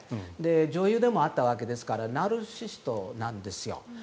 女優でもあったわけですからナルシシストなんですよ。